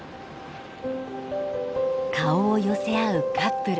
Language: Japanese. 顔を寄せ合うカップル。